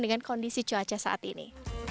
dengan kondisi cuaca saat ini